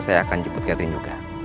saya akan jemput catherine juga